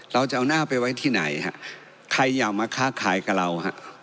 เราจะเอาหน้าไปไว้ที่ไหนฮะใครอยากมาค้าขายกับเราฮะ